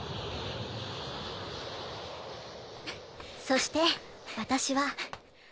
そして私は